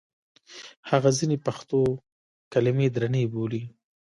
هغه ځینې پښتو کلمې درنې بولي.